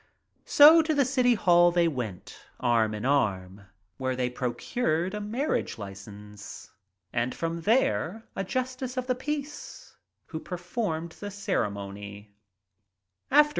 So to. the city hall they went, arm in arm, where they procured a marriage license, and from there to a Justice of the Peace who performed the ceremony.